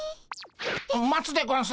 待つでゴンス。